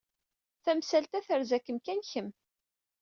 Tamsalt-a terza-kem kan kemm.